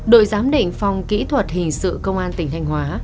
đội giám định phòng kỹ thuật hình sự công an tỉnh thanh hóa